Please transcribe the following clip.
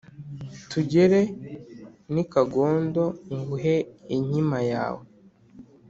tugere n’ i kagondo nguhe inkima yawe.’